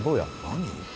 何？